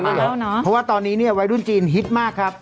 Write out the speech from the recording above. เพราะว่าตอนนี้เนี่ยวัยรุ่นจีนฮิตมากครับ